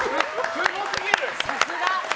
すごすぎる！